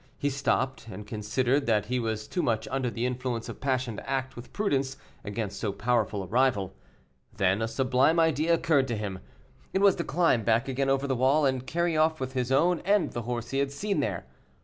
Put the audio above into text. He stopped, and considered that he was too much under the influence of passion to act with prudence against so powerful a rival. Then a sublime idea occurred to him; it was to climb back again over the wall, and carry off with his own the horse he had seen there.